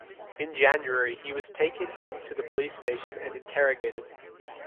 In January he was taken into the police station and interrogated.